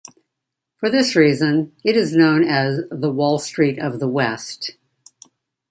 For this reason, it is known as "the Wall Street of the West".